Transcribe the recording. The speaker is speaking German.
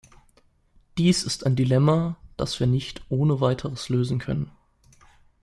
Dies ist ein Dilemma, das wir nicht ohne weiteres lösen können.